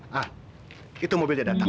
hah itu mobilnya datang